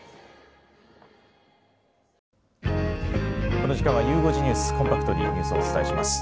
この時間はゆう５時ニュース、コンパクトにニュースをお伝えします。